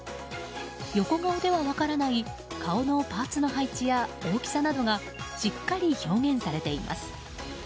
横顔では分からない顔のパーツの配置や大きさなどがしっかり表現されています。